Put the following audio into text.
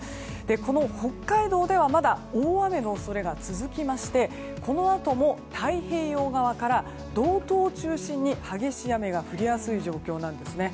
この北海道ではまだ大雨の恐れが続きましてこのあとも太平洋側から道東を中心に激しい雨が降りやすい状況なんですね。